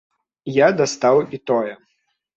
Я дастаў і тое.